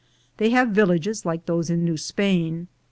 They have villages like those ia New Spain.